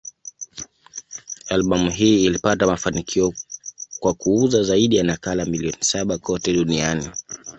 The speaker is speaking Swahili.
Albamu hii ilipata mafanikio kwa kuuza zaidi ya nakala milioni saba kote duniani.